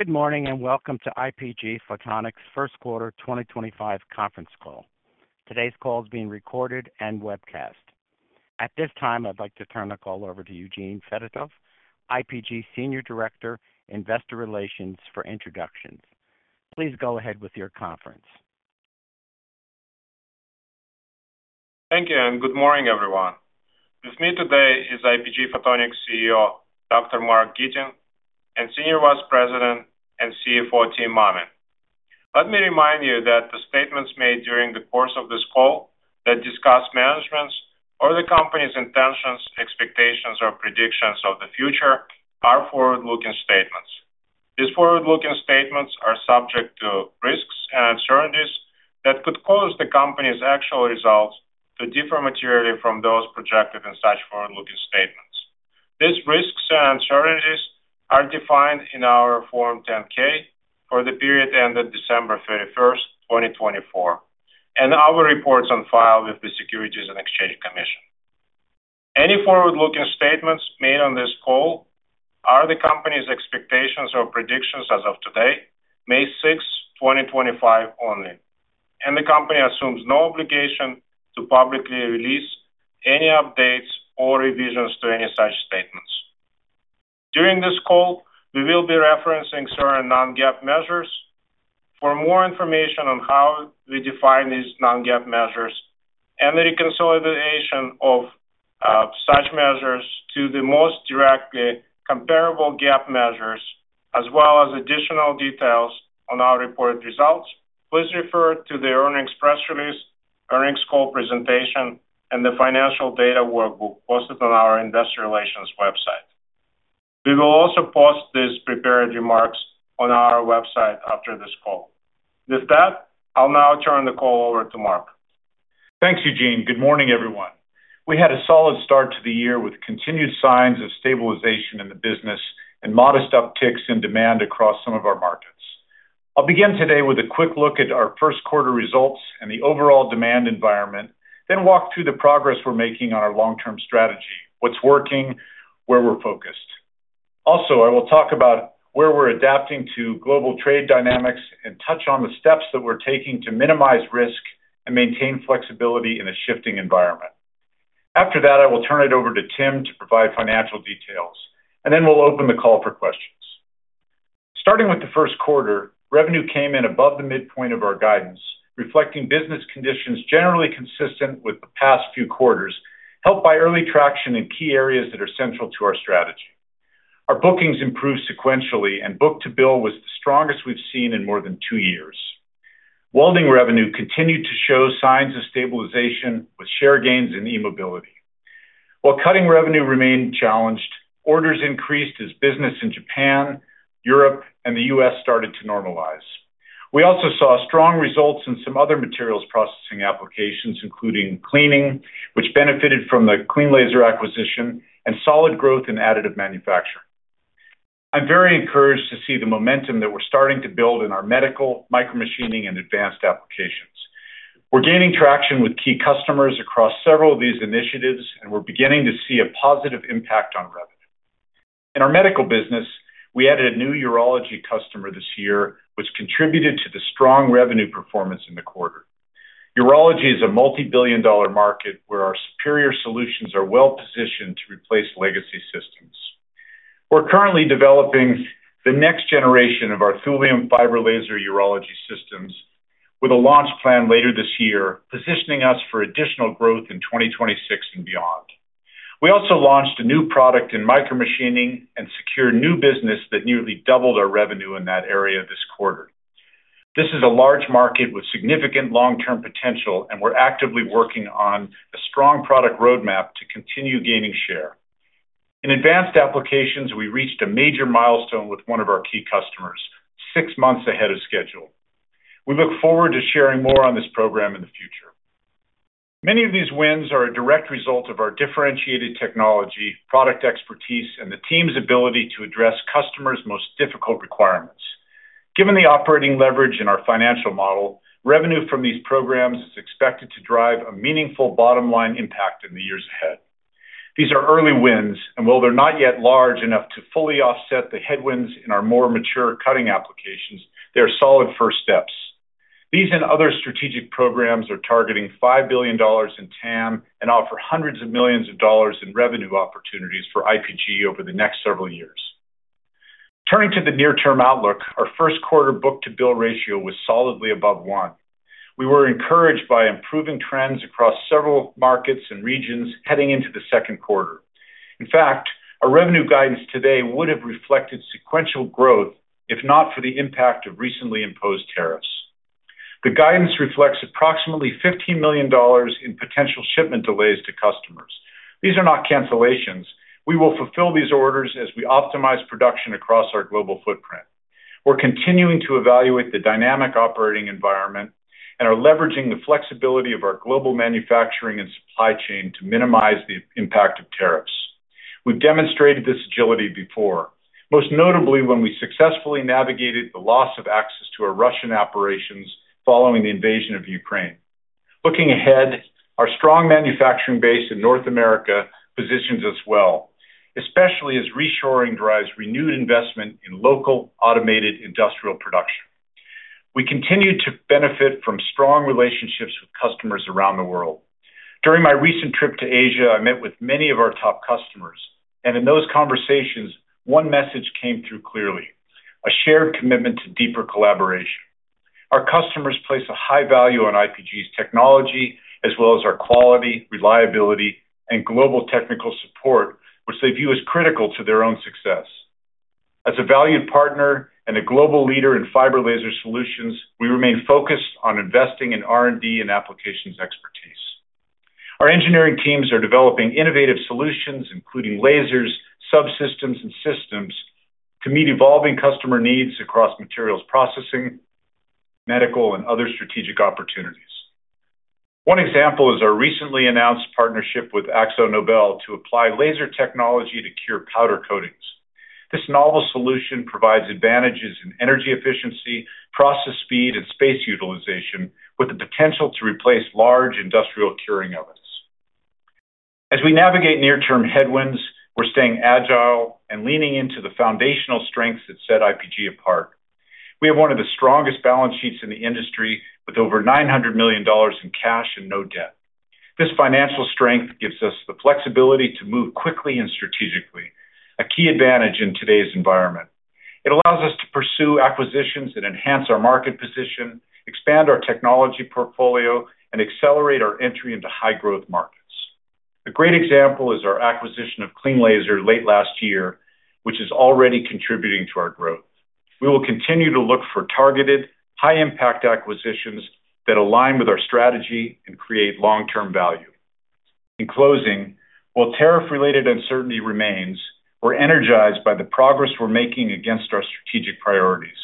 Good morning and welcome to IPG Photonics First Quarter 2025 conference call. Today's call is being recorded and webcast. At this time, I'd like to turn the call over to Eugene Fedotoff, IPG Senior Director, Investor Relations, for introductions. Please go ahead with your conference. Thank you and good morning, everyone. With me today is IPG Photonics CEO, Dr. Marc Gitin, and Senior Vice President and CFO, Tim Mammen. Let me remind you that the statements made during the course of this call that discuss management's or the company's intentions, expectations, or predictions of the future are forward-looking statements. These forward-looking statements are subject to risks and uncertainties that could cause the company's actual results to differ materially from those projected in such forward-looking statements. These risks and uncertainties are defined in our Form 10-K for the period ended December 31, 2024, and our reports on file with the Securities and Exchange Commission. Any forward-looking statements made on this call are the company's expectations or predictions as of today, May 6, 2025, only, and the company assumes no obligation to publicly release any updates or revisions to any such statements. During this call, we will be referencing certain non-GAAP measures. For more information on how we define these non-GAAP measures and the reconciliation of such measures to the most directly comparable GAAP measures, as well as additional details on our reported results, please refer to the earnings press release, earnings call presentation, and the financial data workbook posted on our Investor Relations website. We will also post these prepared remarks on our website after this call. With that, I'll now turn the call over to Marc. Thanks, Eugene. Good morning, everyone. We had a solid start to the year with continued signs of stabilization in the business and modest upticks in demand across some of our markets. I'll begin today with a quick look at our first quarter results and the overall demand environment, then walk through the progress we're making on our long-term strategy, what's working, where we're focused. Also, I will talk about where we're adapting to global trade dynamics and touch on the steps that we're taking to minimize risk and maintain flexibility in a shifting environment. After that, I will turn it over to Tim to provide financial details, and then we'll open the call for questions. Starting with the first quarter, revenue came in above the midpoint of our guidance, reflecting business conditions generally consistent with the past few quarters, helped by early traction in key areas that are central to our strategy. Our bookings improved sequentially, and book-to-bill was the strongest we've seen in more than two years. Welding revenue continued to show signs of stabilization, with share gains and e-mobility. While cutting revenue remained challenged, orders increased as business in Japan, Europe, and the U.S. started to normalize. We also saw strong results in some other materials processing applications, including cleaning, which benefited from the CleanLaser acquisition, and solid growth in additive manufacturing. I'm very encouraged to see the momentum that we're starting to build in our medical, micromachining, and advanced applications. We're gaining traction with key customers across several of these initiatives, and we're beginning to see a positive impact on revenue. In our medical business, we added a new urology customer this year, which contributed to the strong revenue performance in the quarter. Urology is a multi-billion dollar market where our superior solutions are well-positioned to replace legacy systems. We're currently developing the next generation of our Thilium fiber laser urology systems, with a launch plan later this year, positioning us for additional growth in 2026 and beyond. We also launched a new product in micromachining and secured new business that nearly doubled our revenue in that area this quarter. This is a large market with significant long-term potential, and we're actively working on a strong product roadmap to continue gaining share. In advanced applications, we reached a major milestone with one of our key customers, six months ahead of schedule. We look forward to sharing more on this program in the future. Many of these wins are a direct result of our differentiated technology, product expertise, and the team's ability to address customers' most difficult requirements. Given the operating leverage in our financial model, revenue from these programs is expected to drive a meaningful bottom-line impact in the years ahead. These are early wins, and while they're not yet large enough to fully offset the headwinds in our more mature cutting applications, they are solid first steps. These and other strategic programs are targeting $5 billion in TAM and offer hundreds of millions of dollars in revenue opportunities for IPG over the next several years. Turning to the near-term outlook, our first quarter book-to-bill ratio was solidly above 1. We were encouraged by improving trends across several markets and regions heading into the second quarter. In fact, our revenue guidance today would have reflected sequential growth if not for the impact of recently imposed tariffs. The guidance reflects approximately $15 million in potential shipment delays to customers. These are not cancellations. We will fulfill these orders as we optimize production across our global footprint. We're continuing to evaluate the dynamic operating environment and are leveraging the flexibility of our global manufacturing and supply chain to minimize the impact of tariffs. We've demonstrated this agility before, most notably when we successfully navigated the loss of access to our Russian operations following the invasion of Ukraine. Looking ahead, our strong manufacturing base in North America positions us well, especially as reshoring drives renewed investment in local, automated industrial production. We continue to benefit from strong relationships with customers around the world. During my recent trip to Asia, I met with many of our top customers, and in those conversations, one message came through clearly: a shared commitment to deeper collaboration. Our customers place a high value on IPG's technology, as well as our quality, reliability, and global technical support, which they view as critical to their own success. As a valued partner and a global leader in fiber laser solutions, we remain focused on investing in R&D and applications expertise. Our engineering teams are developing innovative solutions, including lasers, subsystems, and systems to meet evolving customer needs across materials processing, medical, and other strategic opportunities. One example is our recently announced partnership with AkzoNobel to apply laser technology to cure powder coatings. This novel solution provides advantages in energy efficiency, process speed, and space utilization, with the potential to replace large industrial curing ovens. As we navigate near-term headwinds, we're staying agile and leaning into the foundational strengths that set IPG apart. We have one of the strongest balance sheets in the industry, with over $900 million in cash and no debt. This financial strength gives us the flexibility to move quickly and strategically, a key advantage in today's environment. It allows us to pursue acquisitions and enhance our market position, expand our technology portfolio, and accelerate our entry into high-growth markets. A great example is our acquisition of CleanLaser late last year, which is already contributing to our growth. We will continue to look for targeted, high-impact acquisitions that align with our strategy and create long-term value. In closing, while tariff-related uncertainty remains, we're energized by the progress we're making against our strategic priorities.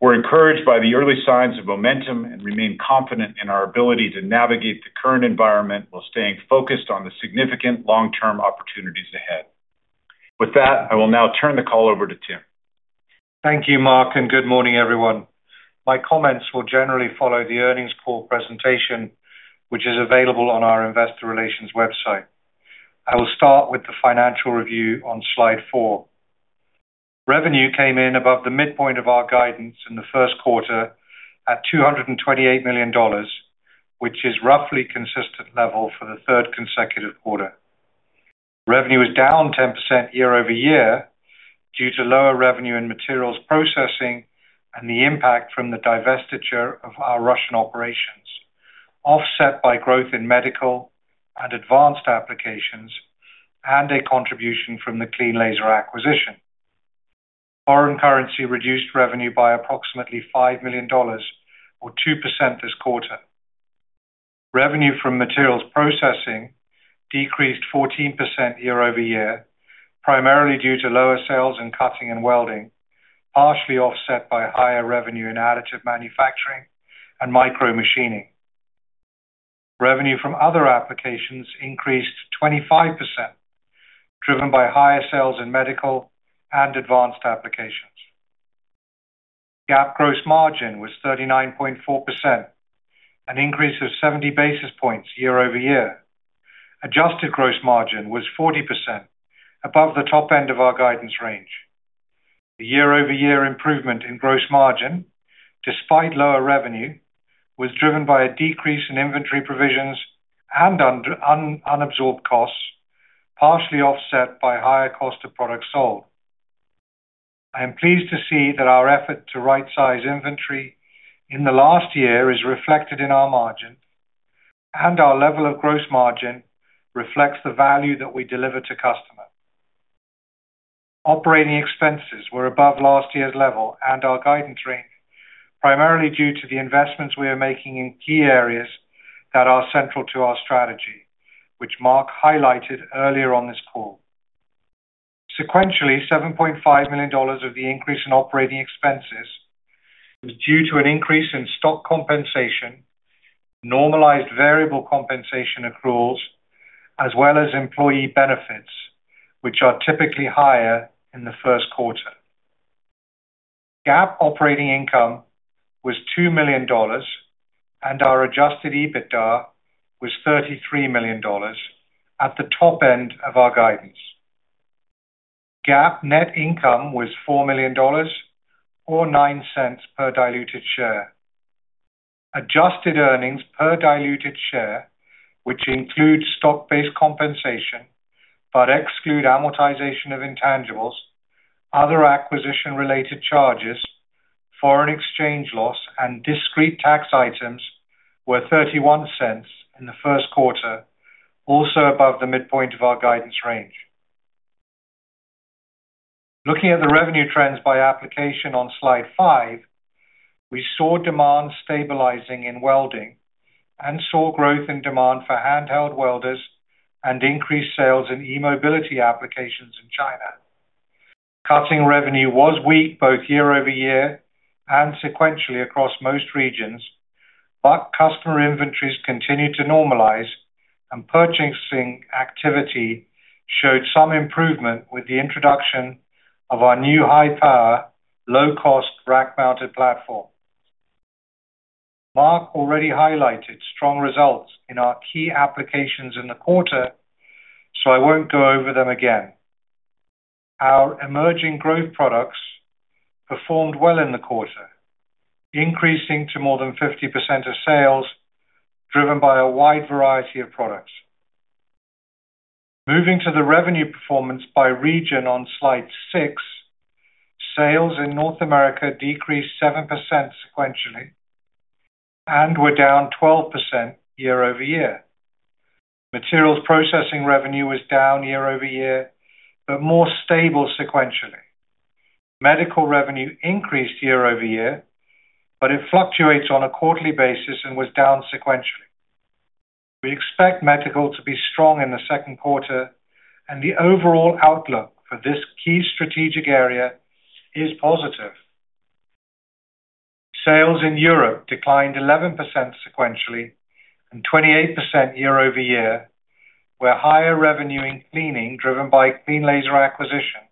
We're encouraged by the early signs of momentum and remain confident in our ability to navigate the current environment while staying focused on the significant long-term opportunities ahead. With that, I will now turn the call over to Tim. Thank you, Marc, and good morning, everyone. My comments will generally follow the earnings call presentation, which is available on our Investor Relations website. I will start with the financial review on slide four. Revenue came in above the midpoint of our guidance in the first quarter at $228 million, which is roughly a consistent level for the third consecutive quarter. Revenue is down 10% year-over-year due to lower revenue in materials processing and the impact from the divestiture of our Russian operations, offset by growth in medical and advanced applications and a contribution from the CleanLaser acquisition. Foreign currency reduced revenue by approximately $5 million, or 2% this quarter. Revenue from materials processing decreased 14% year-over-year, primarily due to lower sales in cutting and welding, partially offset by higher revenue in additive manufacturing and micromachining. Revenue from other applications increased 25%, driven by higher sales in medical and advanced applications. GAAP gross margin was 39.4%, an increase of 70 basis points year-over-year. Adjusted gross margin was 40%, above the top end of our guidance range. The year-over-year improvement in gross margin, despite lower revenue, was driven by a decrease in inventory provisions and unabsorbed costs, partially offset by higher cost of product sold. I am pleased to see that our effort to right-size inventory in the last year is reflected in our margin, and our level of gross margin reflects the value that we deliver to customers. Operating expenses were above last year's level and our guidance range, primarily due to the investments we are making in key areas that are central to our strategy, which Marc highlighted earlier on this call. Sequentially, $7.5 million of the increase in operating expenses was due to an increase in stock compensation, normalized variable compensation accruals, as well as employee benefits, which are typically higher in the first quarter. GAAP operating income was $2 million, and our adjusted EBITDA was $33 million at the top end of our guidance. GAAP net income was $4 million, or $0.09 per diluted share. Adjusted earnings per diluted share, which include stock-based compensation but exclude amortization of intangibles, other acquisition-related charges, foreign exchange loss, and discrete tax items, were $0.31 in the first quarter, also above the midpoint of our guidance range. Looking at the revenue trends by application on slide five, we saw demand stabilizing in welding and saw growth in demand for handheld welders and increased sales in e-mobility applications in China. Cutting revenue was weak both year-over-year and sequentially across most regions, but customer inventories continued to normalize, and purchasing activity showed some improvement with the introduction of our new high-power, low-cost rack-mounted platform. Marc already highlighted strong results in our key applications in the quarter, so I won't go over them again. Our emerging growth products performed well in the quarter, increasing to more than 50% of sales, driven by a wide variety of products. Moving to the revenue performance by region on slide six, sales in North America decreased 7% sequentially and were down 12% year-over-year. Materials processing revenue was down year-over-year, but more stable sequentially. Medical revenue increased year-over-year, but it fluctuates on a quarterly basis and was down sequentially. We expect medical to be strong in the second quarter, and the overall outlook for this key strategic area is positive. Sales in Europe declined 11% sequentially and 28% year-over-year, where higher revenue in cleaning, driven by CleanLaser acquisition,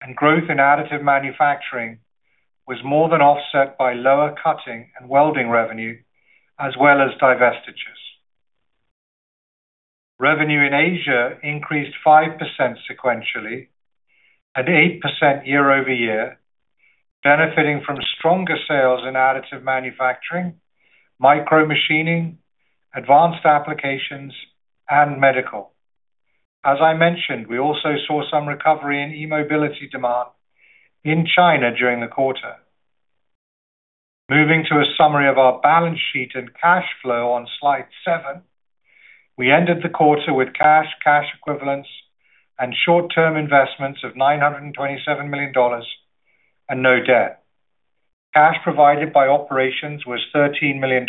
and growth in additive manufacturing was more than offset by lower cutting and welding revenue, as well as divestitures. Revenue in Asia increased 5% sequentially and 8% year-over-year, benefiting from stronger sales in additive manufacturing, micromachining, advanced applications, and medical. As I mentioned, we also saw some recovery in e-mobility demand in China during the quarter. Moving to a summary of our balance sheet and cash flow on slide seven, we ended the quarter with cash, cash equivalents, and short-term investments of $927 million and no debt. Cash provided by operations was $13 million,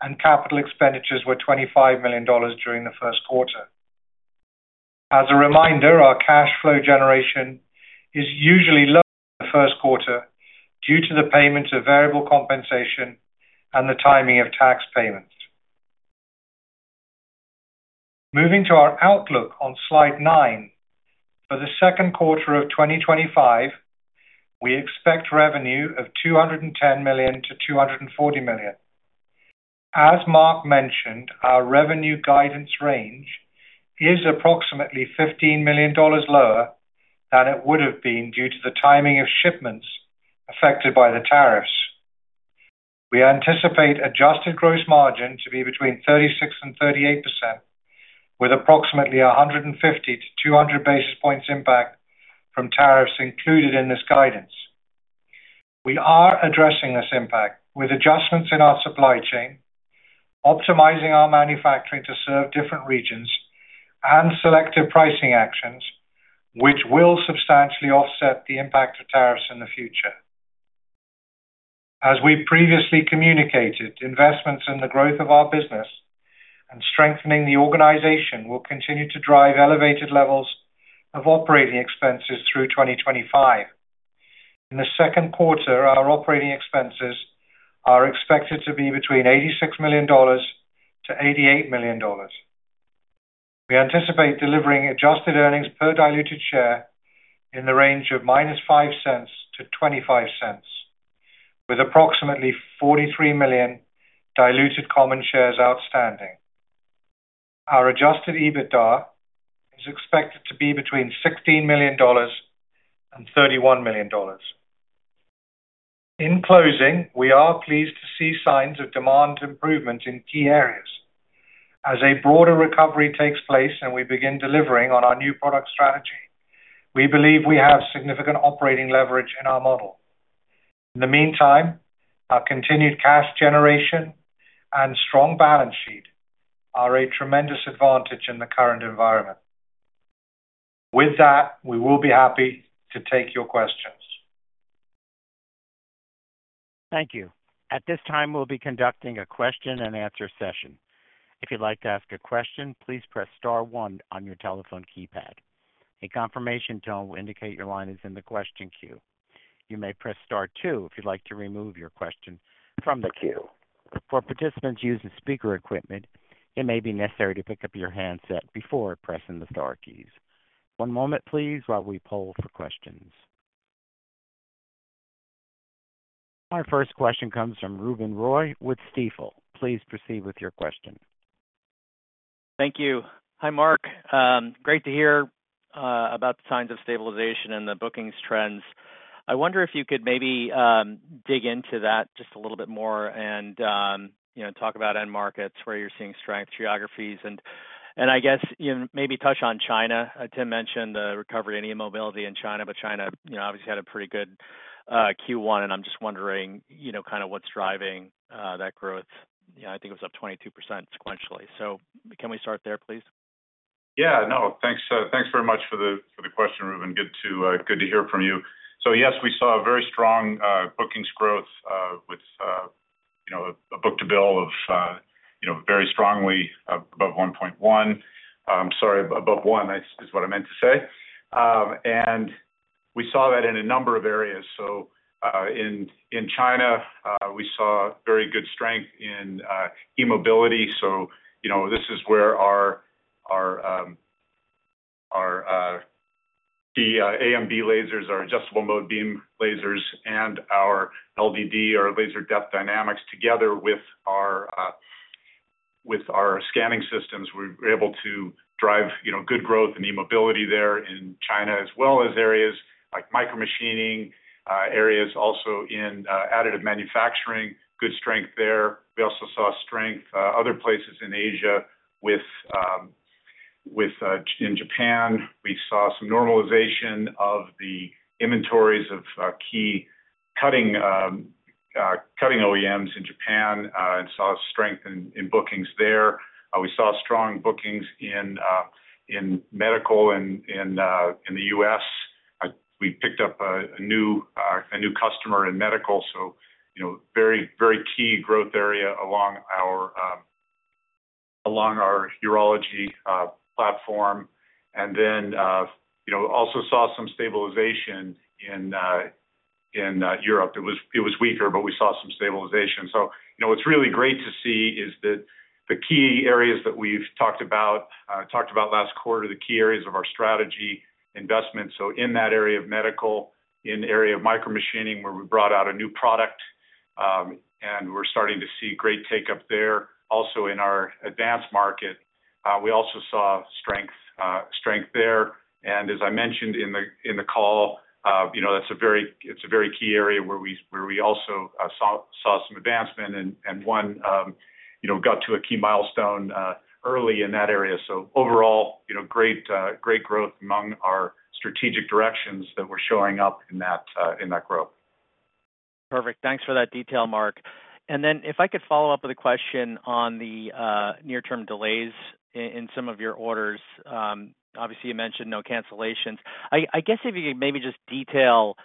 and capital expenditures were $25 million during the first quarter. As a reminder, our cash flow generation is usually low in the first quarter due to the payment of variable compensation and the timing of tax payments. Moving to our outlook on slide nine, for the second quarter of 2025, we expect revenue of $210 million-$240 million. As Marc mentioned, our revenue guidance range is approximately $15 million lower than it would have been due to the timing of shipments affected by the tariffs. We anticipate adjusted gross margin to be between 36%-38%, with approximately 150 to 200 basis points impact from tariffs included in this guidance. We are addressing this impact with adjustments in our supply chain, optimizing our manufacturing to serve different regions, and selective pricing actions, which will substantially offset the impact of tariffs in the future. As we previously communicated, investments in the growth of our business and strengthening the organization will continue to drive elevated levels of operating expenses through 2025. In the second quarter, our operating expenses are expected to be between $86 million-$88 million. We anticipate delivering adjusted earnings per diluted share in the range of -$0.05-$0.25, with approximately 43 million diluted common shares outstanding. Our adjusted EBITDA is expected to be between $16 million-$31 million. In closing, we are pleased to see signs of demand improvement in key areas. As a broader recovery takes place and we begin delivering on our new product strategy, we believe we have significant operating leverage in our model. In the meantime, our continued cash generation and strong balance sheet are a tremendous advantage in the current environment. With that, we will be happy to take your questions. Thank you. At this time, we'll be conducting a question-and-answer session. If you'd like to ask a question, please press star one on your telephone keypad. A confirmation tone will indicate your line is in the question queue. You may press star two if you'd like to remove your question from the queue. For participants using speaker equipment, it may be necessary to pick up your handset before pressing the star keys. One moment, please, while we poll for questions. Our first question comes from Reuben Roy with Stifel. Please proceed with your question. Thank you. Hi, Marc. Great to hear about the signs of stabilization and the bookings trends. I wonder if you could maybe dig into that just a little bit more and talk about end markets, where you're seeing strength, geographies, and I guess maybe touch on China. Tim mentioned the recovery in e-mobility in China, but China obviously had a pretty good Q1, and I'm just wondering kind of what's driving that growth. I think it was up 22% sequentially. Can we start there, please? Yeah, no, thanks very much for the question, Reuben. Good to hear from you. Yes, we saw a very strong bookings growth with a book-to-bill of very strongly above 1.1. I'm sorry, above 1 is what I meant to say. We saw that in a number of areas. In China, we saw very good strength in e-mobility. This is where our key AMB lasers, our adjustable mode beam lasers, and our LDD, our laser depth dynamics, together with our scanning systems, were able to drive good growth in e-mobility there in China, as well as areas like micromachining, areas also in additive manufacturing, good strength there. We also saw strength other places in Asia. In Japan, we saw some normalization of the inventories of key cutting OEMs in Japan and saw strength in bookings there. We saw strong bookings in medical in the U.S. We picked up a new customer in medical, so very key growth area along our urology platform. We also saw some stabilization in Europe. It was weaker, but we saw some stabilization. What is really great to see is that the key areas that we have talked about last quarter, the key areas of our strategy investment, in that area of medical, in the area of micromachining, where we brought out a new product, and we are starting to see great take-up there. Also in our advanced market, we saw strength there. As I mentioned in the call, it is a very key area where we also saw some advancement and got to a key milestone early in that area. Overall, great growth among our strategic directions that were showing up in that growth. Perfect. Thanks for that detail, Marc. If I could follow up with a question on the near-term delays in some of your orders. Obviously, you mentioned no cancellations. I guess if you could maybe just detail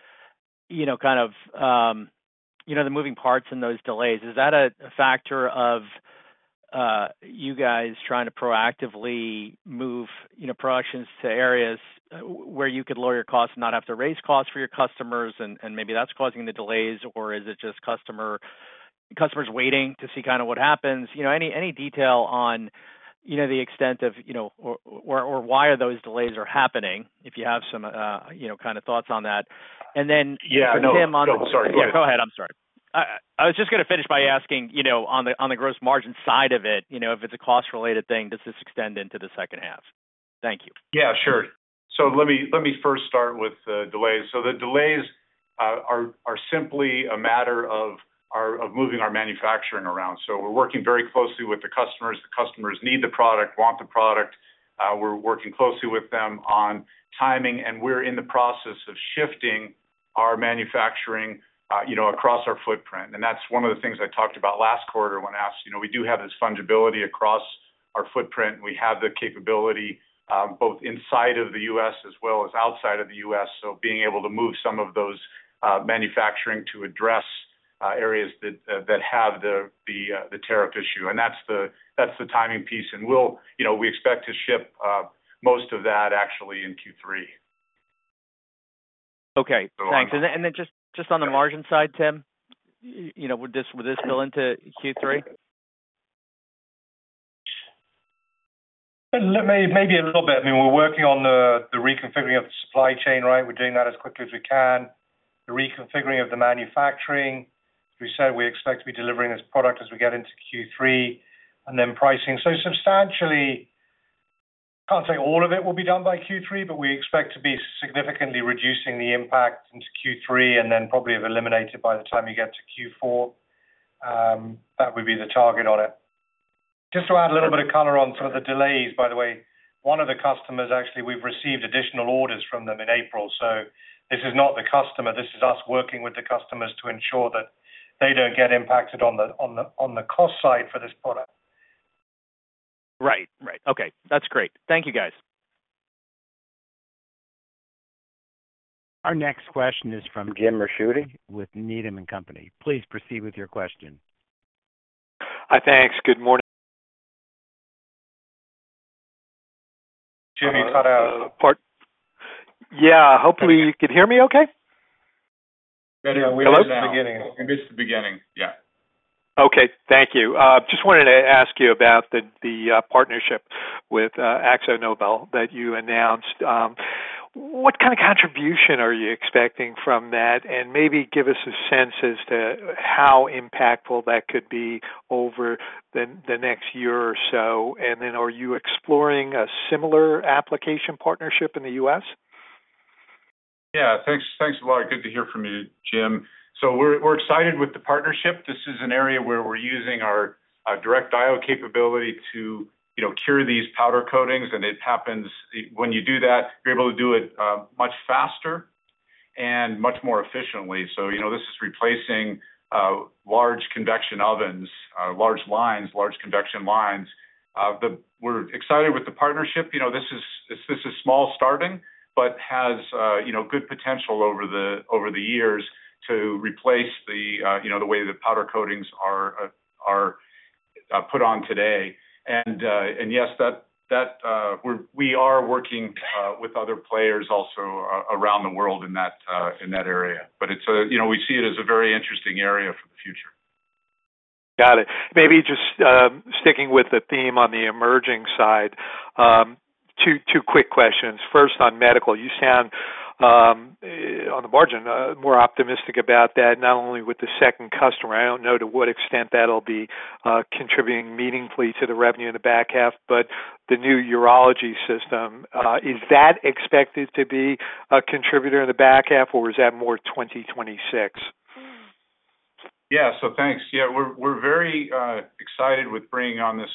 kind of the moving parts in those delays. Is that a factor of you guys trying to proactively move productions to areas where you could lower your costs and not have to raise costs for your customers, and maybe that's causing the delays, or is it just customers waiting to see kind of what happens? Any detail on the extent of or why those delays are happening, if you have some kind of thoughts on that? And then. Yeah, no. Tim, on. Oh, sorry. Yeah, go ahead. I'm sorry. I was just going to finish by asking, on the gross margin side of it, if it's a cost-related thing, does this extend into the second half? Thank you. Yeah, sure. Let me first start with the delays. The delays are simply a matter of moving our manufacturing around. We're working very closely with the customers. The customers need the product, want the product. We're working closely with them on timing, and we're in the process of shifting our manufacturing across our footprint. That's one of the things I talked about last quarter when asked. We do have this fungibility across our footprint. We have the capability both inside of the U.S. as well as outside of the U.S., so being able to move some of those manufacturing to address areas that have the tariff issue. That's the timing piece. We expect to ship most of that actually in Q3. Okay. Thanks. And then just on the margin side, Tim, would this fill into Q3? Maybe a little bit. I mean, we're working on the reconfiguring of the supply chain, right? We're doing that as quickly as we can. The reconfiguring of the manufacturing, as we said, we expect to be delivering this product as we get into Q3, and then pricing. Substantially, I can't say all of it will be done by Q3, but we expect to be significantly reducing the impact into Q3 and then probably have eliminated by the time you get to Q4. That would be the target on it. Just to add a little bit of color on some of the delays, by the way, one of the customers, actually, we've received additional orders from them in April. This is not the customer. This is us working with the customers to ensure that they don't get impacted on the cost side for this product. Right. Right. Okay. That's great. Thank you, guys. Our next question is from Jim Ricchiuti with Needham & Company. Please proceed with your question. Hi, thanks. Good morning. Jim, you cut out. Yeah. Hopefully, you can hear me okay. We missed the beginning. We missed the beginning. Yeah. Okay. Thank you. Just wanted to ask you about the partnership with AkzoNobel that you announced. What kind of contribution are you expecting from that? Maybe give us a sense as to how impactful that could be over the next year or so. Are you exploring a similar application partnership in the U.S.? Yeah. Thanks, Marc. Good to hear from you, Jim. We're excited with the partnership. This is an area where we're using our direct IO capability to cure these powder coatings. When you do that, you're able to do it much faster and much more efficiently. This is replacing large convection ovens, large lines, large convection lines. We're excited with the partnership. This is small starting, but has good potential over the years to replace the way that powder coatings are put on today. Yes, we are working with other players also around the world in that area. We see it as a very interesting area for the future. Got it. Maybe just sticking with the theme on the emerging side, two quick questions. First, on medical, you sound, on the margin, more optimistic about that, not only with the second customer. I do not know to what extent that will be contributing meaningfully to the revenue in the back half, but the new urology system. Is that expected to be a contributor in the back half, or is that more 2026? Yeah. Thanks. Yeah, we're very excited with bringing on this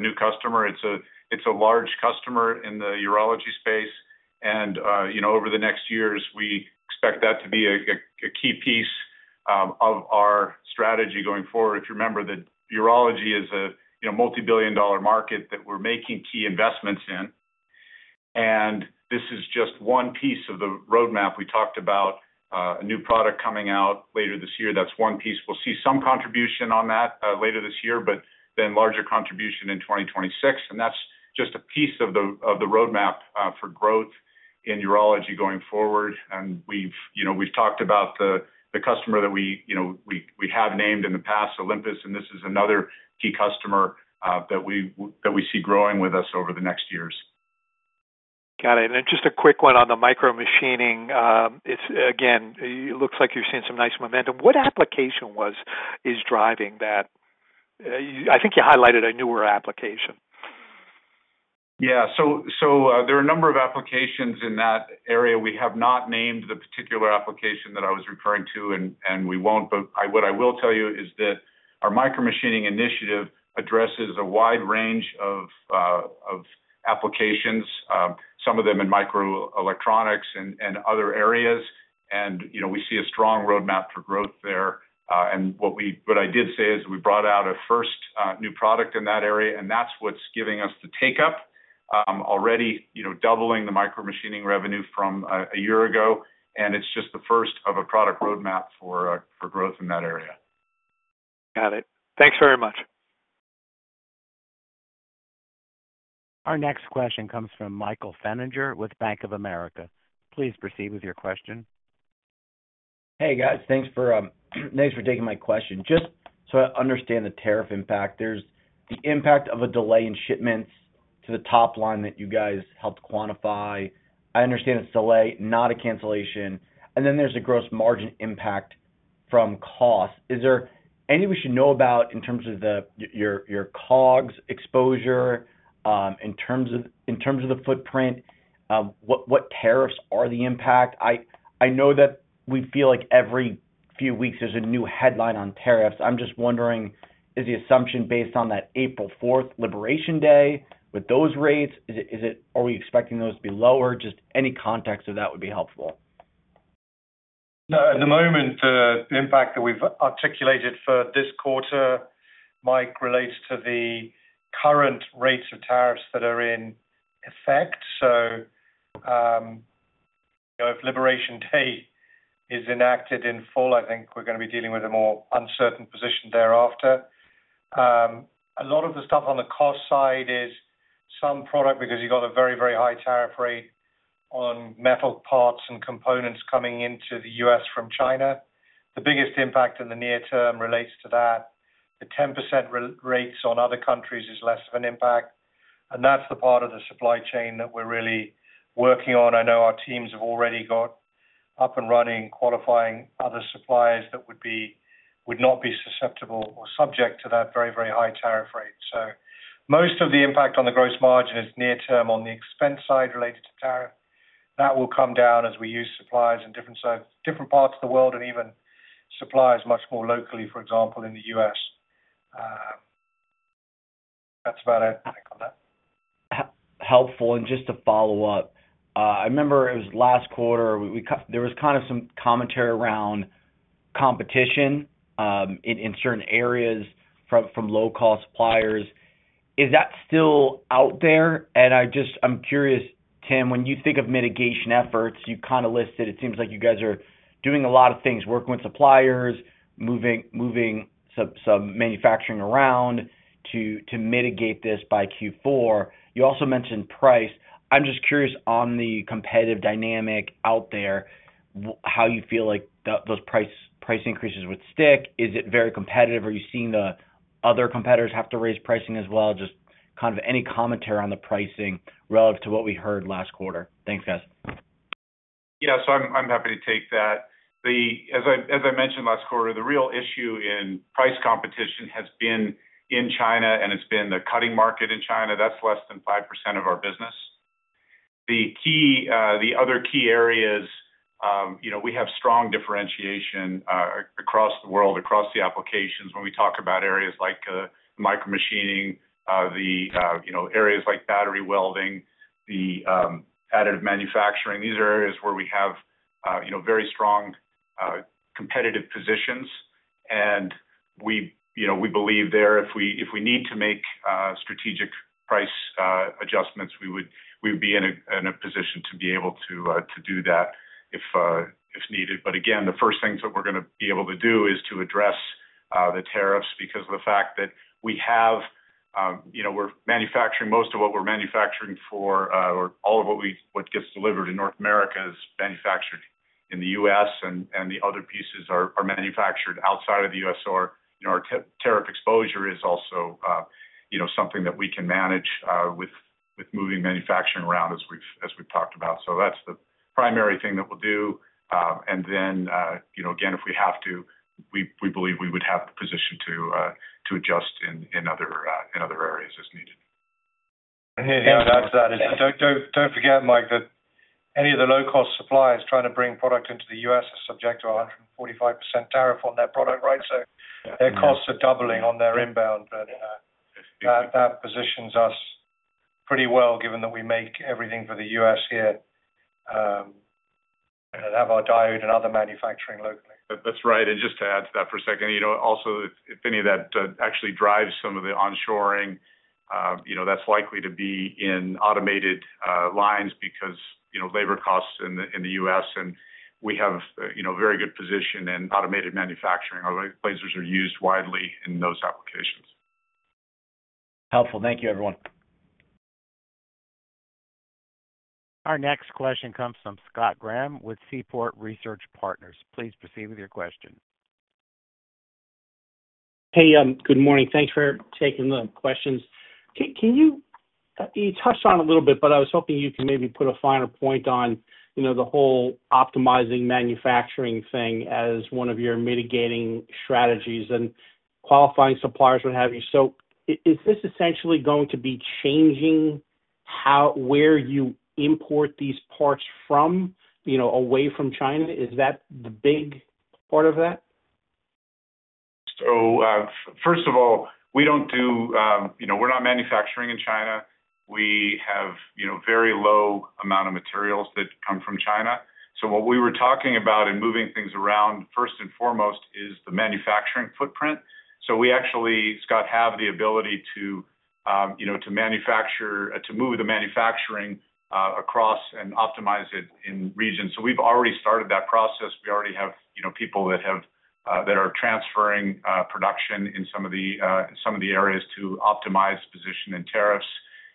new customer. It's a large customer in the urology space. Over the next years, we expect that to be a key piece of our strategy going forward. If you remember, urology is a multi-billion dollar market that we're making key investments in. This is just one piece of the roadmap we talked about, a new product coming out later this year. That's one piece. We'll see some contribution on that later this year, but then larger contribution in 2026. That's just a piece of the roadmap for growth in urology going forward. We've talked about the customer that we have named in the past, Olympus. This is another key customer that we see growing with us over the next years. Got it. And just a quick one on the micromachining. Again, it looks like you're seeing some nice momentum. What application is driving that? I think you highlighted a newer application. Yeah. There are a number of applications in that area. We have not named the particular application that I was referring to, and we will not. What I will tell you is that our micromachining initiative addresses a wide range of applications, some of them in microelectronics and other areas. We see a strong roadmap for growth there. What I did say is we brought out a first new product in that area, and that is what is giving us the take-up, already doubling the micromachining revenue from a year ago. It is just the first of a product roadmap for growth in that area. Got it. Thanks very much. Our next question comes from Michael Feniger with Bank of America. Please proceed with your question. Hey, guys. Thanks for taking my question. Just so I understand the tariff impact, there's the impact of a delay in shipments to the top line that you guys helped quantify. I understand it's a delay, not a cancellation. And then there's a gross margin impact from cost. Is there any we should know about in terms of your COGS exposure, in terms of the footprint? What tariffs are the impact? I know that we feel like every few weeks there's a new headline on tariffs. I'm just wondering, is the assumption based on that April 4th liberation day with those rates? Are we expecting those to be lower? Just any context of that would be helpful. At the moment, the impact that we've articulated for this quarter, Mike, relates to the current rates of tariffs that are in effect. If Liberation Day is enacted in full, I think we're going to be dealing with a more uncertain position thereafter. A lot of the stuff on the cost side is some product because you've got a very, very high tariff rate on metal parts and components coming into the U.S. from China. The biggest impact in the near term relates to that. The 10% rates on other countries is less of an impact. That's the part of the supply chain that we're really working on. I know our teams have already got up and running, qualifying other suppliers that would not be susceptible or subject to that very, very high tariff rate. Most of the impact on the gross margin is near term on the expense side related to tariff. That will come down as we use suppliers in different parts of the world and even suppliers much more locally, for example, in the US. That's about it, I think, on that. Helpful. Just to follow up, I remember it was last quarter, there was kind of some commentary around competition in certain areas from low-cost suppliers. Is that still out there? I am curious, Tim, when you think of mitigation efforts, you kind of listed, it seems like you guys are doing a lot of things, working with suppliers, moving some manufacturing around to mitigate this by Q4. You also mentioned price. I am just curious on the competitive dynamic out there, how you feel like those price increases would stick. Is it very competitive? Are you seeing the other competitors have to raise pricing as well? Just kind of any commentary on the pricing relative to what we heard last quarter. Thanks, guys. Yeah. I'm happy to take that. As I mentioned last quarter, the real issue in price competition has been in China, and it's been the cutting market in China. That's less than 5% of our business. The other key areas, we have strong differentiation across the world, across the applications. When we talk about areas like micromachining, areas like battery welding, additive manufacturing, these are areas where we have very strong competitive positions. We believe there, if we need to make strategic price adjustments, we would be in a position to be able to do that if needed. The first things that we're going to be able to do is to address the tariffs because of the fact that we have, we're manufacturing most of what we're manufacturing for, or all of what gets delivered in North America is manufactured in the U.S., and the other pieces are manufactured outside of the U.S. Our tariff exposure is also something that we can manage with moving manufacturing around, as we've talked about. That's the primary thing that we'll do. Then, again, if we have to, we believe we would have the position to adjust in other areas as needed. Yeah. Do not forget, Mike, that any of the low-cost suppliers trying to bring product into the U.S. are subject to a 145% tariff on that product, right? So their costs are doubling on their inbound. That positions us pretty well given that we make everything for the U.S. here and have our diode and other manufacturing locally. That's right. Just to add to that for a second, also, if any of that actually drives some of the onshoring, that's likely to be in automated lines because labor costs in the U.S. We have a very good position in automated manufacturing. Our lasers are used widely in those applications. Helpful. Thank you, everyone. Our next question comes from Scott Graham with Seaport Research Partners. Please proceed with your question. Hey, good morning. Thanks for taking the questions. You touched on it a little bit, but I was hoping you could maybe put a finer point on the whole optimizing manufacturing thing as one of your mitigating strategies and qualifying suppliers would have you. Is this essentially going to be changing where you import these parts from, away from China? Is that the big part of that? First of all, we do not manufacture in China. We have a very low amount of materials that come from China. What we were talking about in moving things around, first and foremost, is the manufacturing footprint. We actually, Scott, have the ability to manufacture, to move the manufacturing across and optimize it in regions. We have already started that process. We already have people that are transferring production in some of the areas to optimize position and tariffs.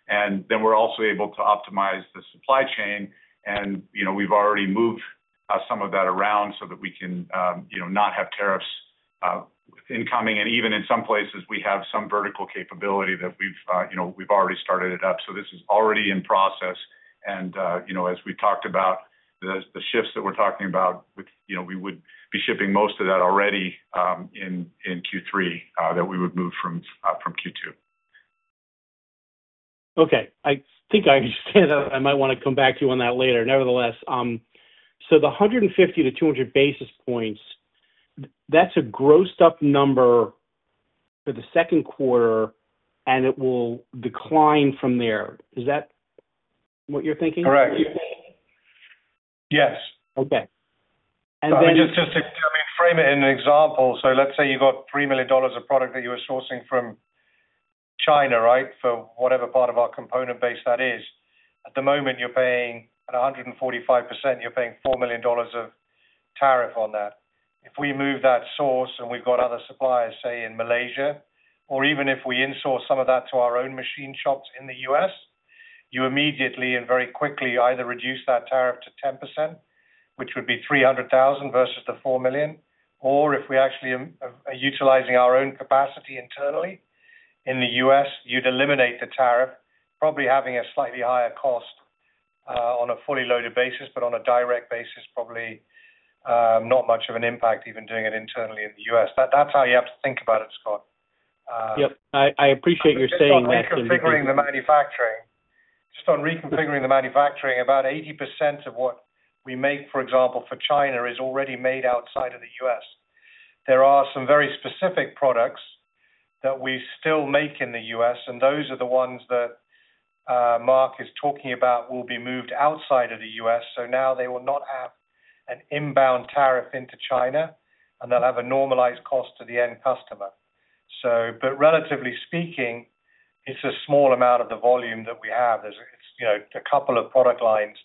We are also able to optimize the supply chain. We have already moved some of that around so that we can not have tariffs incoming. Even in some places, we have some vertical capability that we have already started up. This is already in process. As we've talked about, the shifts that we're talking about, we would be shipping most of that already in Q3 that we would move from Q2. Okay. I think I understand that. I might want to come back to you on that later. Nevertheless, so the 150-200 basis points, that's a grossed-up number for the second quarter, and it will decline from there. Is that what you're thinking? Correct. Yes. Okay. And then. I mean, just to frame it in an example, let's say you've got $3 million of product that you were sourcing from China, right, for whatever part of our component base that is. At the moment, you're paying at 145%, you're paying $4 million of tariff on that. If we move that source and we've got other suppliers, say, in Malaysia, or even if we insource some of that to our own machine shops in the U.S., you immediately and very quickly either reduce that tariff to 10%, which would be $300,000 versus the $4 million, or if we actually are utilizing our own capacity internally in the U.S., you'd eliminate the tariff, probably having a slightly higher cost on a fully loaded basis, but on a direct basis, probably not much of an impact even doing it internally in the U.S.. That's how you have to think about it, Scott. Yep. I appreciate your saying that. Just on reconfiguring the manufacturing, about 80% of what we make, for example, for China is already made outside of the U.S. There are some very specific products that we still make in the U.S., and those are the ones that Mark is talking about will be moved outside of the U.S. Now they will not have an inbound tariff into China, and they'll have a normalized cost to the end customer. Relatively speaking, it's a small amount of the volume that we have. It's a couple of product lines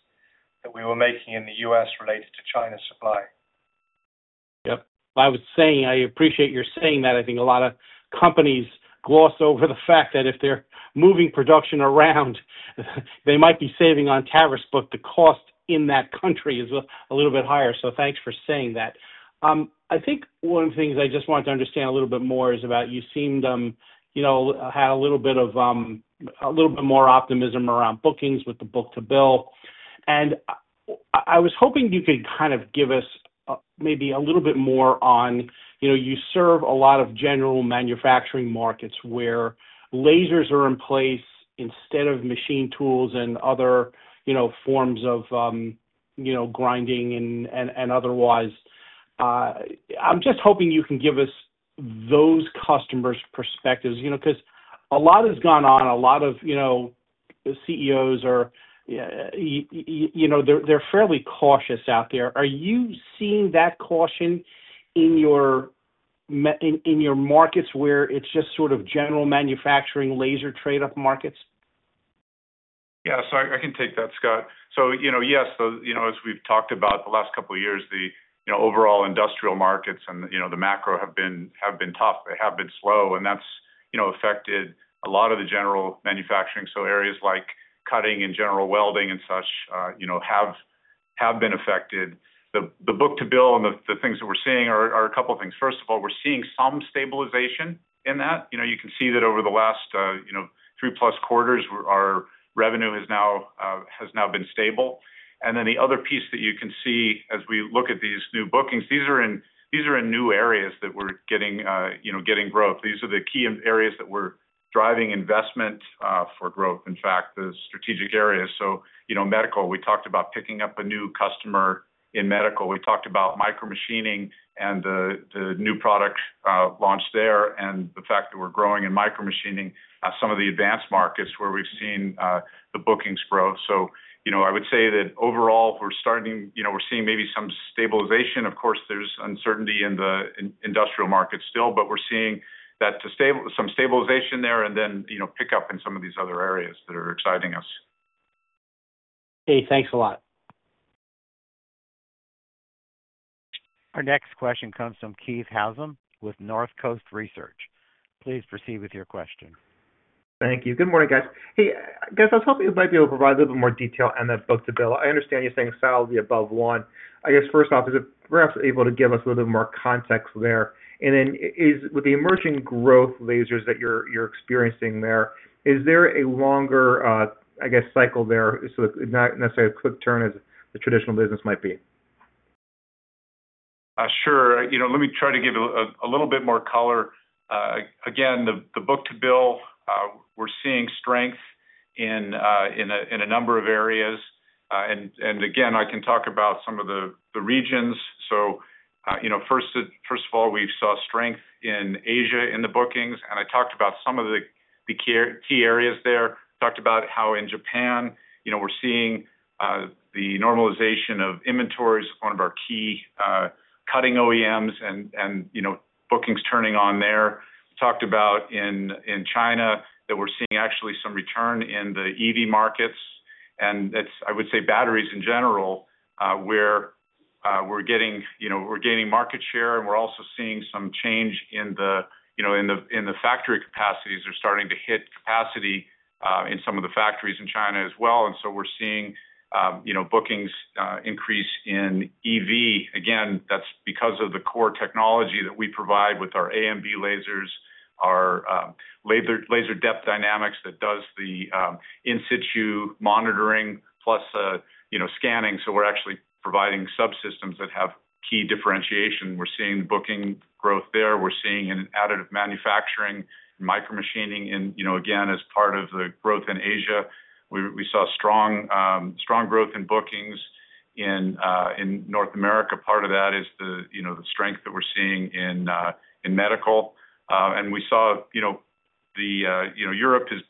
that we were making in the U.S. related to China supply. Yep. I was saying, I appreciate your saying that. I think a lot of companies gloss over the fact that if they're moving production around, they might be saving on tariffs, but the cost in that country is a little bit higher. Thanks for saying that. I think one of the things I just wanted to understand a little bit more is about you seemed to have a little bit more optimism around bookings with the book-to-bill. I was hoping you could kind of give us maybe a little bit more on you serve a lot of general manufacturing markets where lasers are in place instead of machine tools and other forms of grinding and otherwise. I'm just hoping you can give us those customers' perspectives because a lot has gone on. A lot of CEOs are they're fairly cautious out there. Are you seeing that caution in your markets where it's just sort of general manufacturing laser trade-off markets? Yeah. So I can take that, Scott. Yes, as we've talked about the last couple of years, the overall industrial markets and the macro have been tough. They have been slow, and that's affected a lot of the general manufacturing. Areas like cutting and general welding and such have been affected. The book-to-bill and the things that we're seeing are a couple of things. First of all, we're seeing some stabilization in that. You can see that over the last three-plus quarters, our revenue has now been stable. The other piece that you can see as we look at these new bookings, these are in new areas that we're getting growth. These are the key areas that we're driving investment for growth, in fact, the strategic areas. Medical, we talked about picking up a new customer in medical. We talked about micromachining and the new product launched there and the fact that we're growing in micromachining some of the advanced markets where we've seen the bookings grow. I would say that overall, we're starting, we're seeing maybe some stabilization. Of course, there's uncertainty in the industrial markets still, but we're seeing that some stabilization there and then pickup in some of these other areas that are exciting us. Hey, thanks a lot. Our next question comes from Keith Housum with Northcoast Research. Please proceed with your question. Thank you. Good morning, guys. Hey, guys, I was hoping you might be able to provide a little bit more detail on that book-to-bill. I understand you're saying still above one. I guess, first off, is it perhaps able to give us a little bit more context there? And then with the emerging growth lasers that you're experiencing there, is there a longer, I guess, cycle there? Not necessarily a quick turn as the traditional business might be. Sure. Let me try to give a little bit more color. Again, the book-to-bill, we're seeing strength in a number of areas. Again, I can talk about some of the regions. First of all, we saw strength in Asia in the bookings. I talked about some of the key areas there. I talked about how in Japan, we're seeing the normalization of inventories, one of our key cutting OEMs and bookings turning on there. I talked about in China that we're seeing actually some return in the EV markets. I would say batteries in general where we're gaining market share. We're also seeing some change in the factory capacities. They're starting to hit capacity in some of the factories in China as well. We're seeing bookings increase in EV. Again, that's because of the core technology that we provide with our AMB lasers, our Laser Depth Dynamics that does the in-situ monitoring plus scanning. We're actually providing subsystems that have key differentiation. We're seeing booking growth there. We're seeing in additive manufacturing and micromachining in, again, as part of the growth in Asia. We saw strong growth in bookings in North America. Part of that is the strength that we're seeing in medical. We saw that Europe has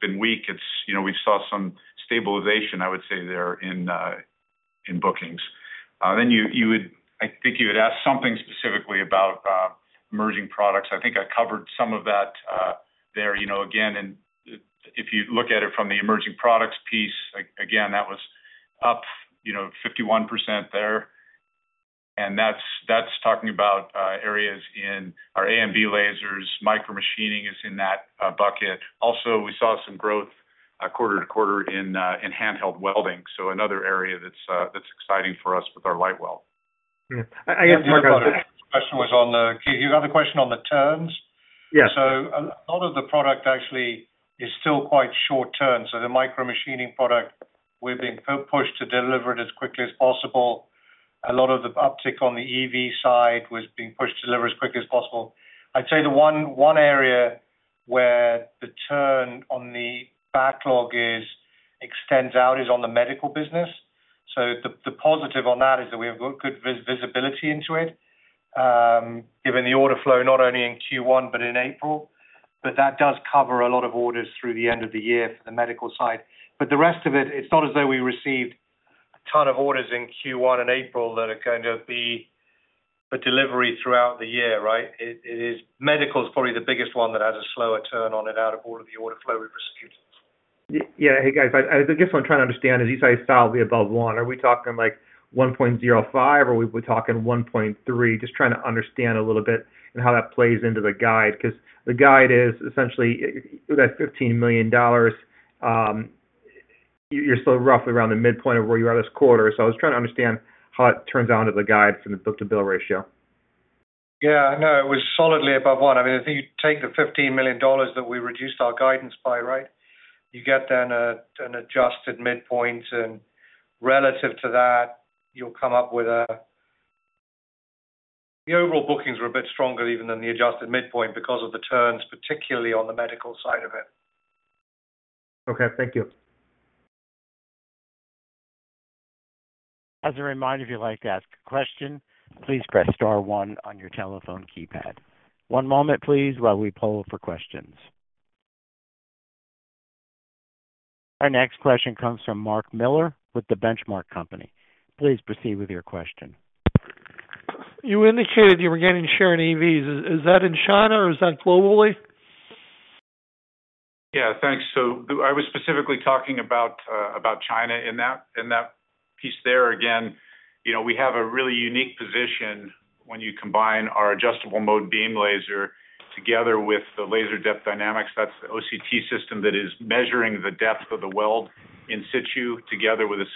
been weak. We saw some stabilization, I would say, there in bookings. I think you had asked something specifically about emerging products. I think I covered some of that there. Again, if you look at it from the emerging products piece, that was up 51% there. That's talking about areas in our AMB lasers. Micromachining is in that bucket. Also, we saw some growth quarter to quarter in handheld welding. Another area that's exciting for us with our LightWELD. I guess. Question was on the, you got the question on the turns? Yes. A lot of the product actually is still quite short term. The micromachining product, we're being pushed to deliver it as quickly as possible. A lot of the uptick on the EV side was being pushed to deliver as quickly as possible. I'd say the one area where the turn on the backlog extends out is on the medical business. The positive on that is that we have good visibility into it given the order flow, not only in Q1, but in April. That does cover a lot of orders through the end of the year for the medical side. The rest of it, it's not as though we received a ton of orders in Q1 and April that are going to be for delivery throughout the year, right? Medical is probably the biggest one that has a slower turn on it out of all of the order flow we've received. Yeah. Hey, guys, I guess what I'm trying to understand is you say sell the above one. Are we talking like 1.05 or are we talking 1.3? Just trying to understand a little bit and how that plays into the guide because the guide is essentially that $15 million. You're still roughly around the midpoint of where you are this quarter. I was trying to understand how it turns out of the guide from the book-to-bill ratio. Yeah. No, it was solidly above one. I mean, if you take the $15 million that we reduced our guidance by, right, you get then an adjusted midpoint. And relative to that, you'll come up with a the overall bookings were a bit stronger even than the adjusted midpoint because of the turns, particularly on the medical side of it. Okay. Thank you. As a reminder, if you'd like to ask a question, please press star one on your telephone keypad. One moment, please, while we poll for questions. Our next question comes from Mark Miller with The Benchmark Company. Please proceed with your question. You indicated you were getting share in EVs. Is that in China or is that globally? Yeah. Thanks. I was specifically talking about China in that piece there. Again, we have a really unique position when you combine our adjustable mode beam laser together with the Laser Depth Dynamics. That is the OCT system that is measuring the depth of the weld in situ together with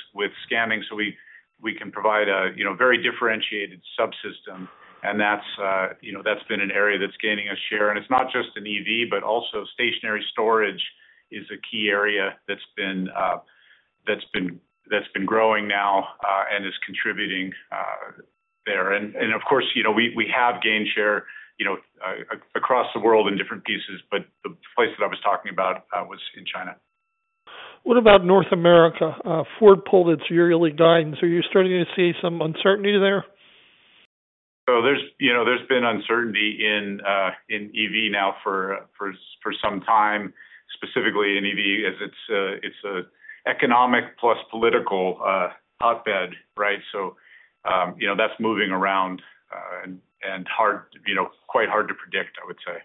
scanning. We can provide a very differentiated subsystem. That has been an area that is gaining share. It is not just in EV, but also stationary storage is a key area that has been growing now and is contributing there. Of course, we have gained share across the world in different pieces, but the place that I was talking about was in China. What about North America? Ford pulled its yearly guidance. Are you starting to see some uncertainty there? There's been uncertainty in EV now for some time, specifically in EV as it's an economic plus political hotbed, right? That's moving around and quite hard to predict, I would say.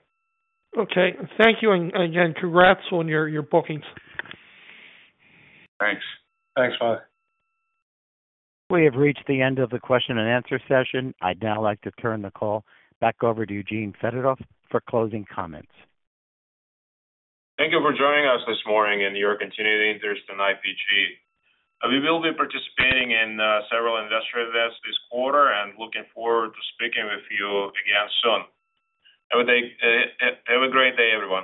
Okay. Thank you. Again, congrats on your bookings. Thanks. Thanks, Mark. We have reached the end of the question and answer session. I'd now like to turn the call back over to Eugene Fedotoff for closing comments. Thank you for joining us this morning in your continuing interest in IPG. We will be participating in several industrial events this quarter and looking forward to speaking with you again soon. Have a great day, everyone.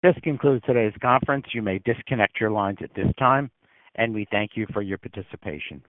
This concludes today's conference. You may disconnect your lines at this time, and we thank you for your participation.